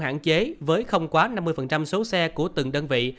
hạn chế với không quá năm mươi số xe của từng đơn vị